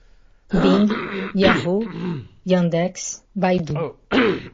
Bing, Yahoo, Yandex, Baidu